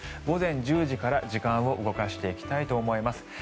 午前１０時から時間を動かしていきたいと思います。